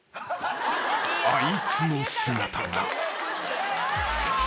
［あいつの姿が］